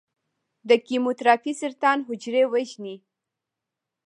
د کیموتراپي سرطان حجرو وژني.